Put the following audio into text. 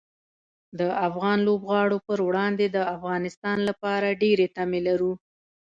د افغان لوبغاړو پر وړاندې د افغانستان لپاره ډېرې تمې لرو.